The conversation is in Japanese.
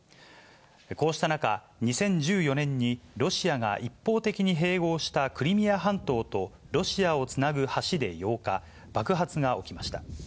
こうした中、２０１４年にロシアが一方的に併合したクリミア半島と、ロシアをつなぐ橋で８日、爆発が起きました。